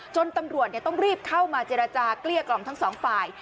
ตำรวจต้องรีบเข้ามาเจรจาเกลี้ยกล่อมทั้งสองฝ่าย